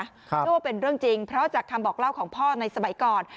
เชื่อว่าเป็นเรื่องจริงเพราะจากคำบอกเล่าของพ่อในสมัยก่อน